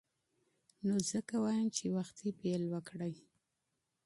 نو ځکه وایم چې وختي پیل وکړئ.